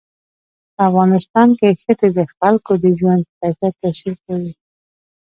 په افغانستان کې ښتې د خلکو د ژوند په کیفیت تاثیر کوي.